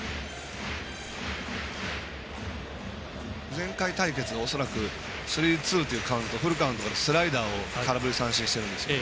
前回対決がスリーツーでフルカウントからスライダーを空振り三振してるんですよ。